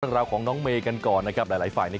เรื่องราวของน้องเมย์กันก่อนหลายตรงนี้